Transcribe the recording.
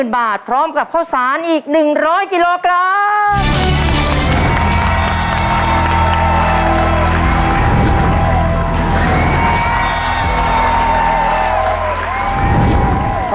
บาทพร้อมกับข้าวสารอีก๑๐๐กิโลกรัม